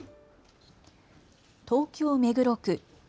東京目黒区。